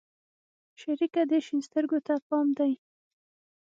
شريکه دې شين سترگو ته پام دى؟